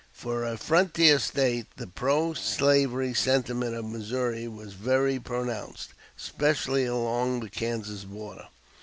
For a frontier State, the pro slavery sentiment of Missouri was very pronounced, especially along the Kansas border.